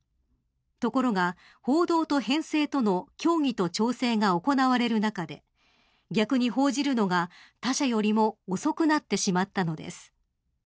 ところが、報道と編成との協議と調整が行われる中で逆に、報じるのが他社よりも遅くなってしまったのです。